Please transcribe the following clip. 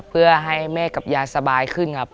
เพื่อให้แม่กับยายสบายขึ้นครับ